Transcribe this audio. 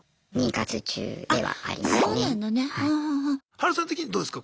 ハルさん的にどうですか？